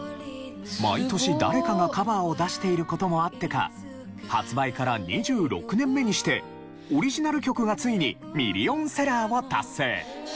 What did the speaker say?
毎年誰かがカバーを出している事もあってか発売から２６年目にしてオリジナル曲がついにミリオンセラーを達成。